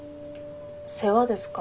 世話ですか？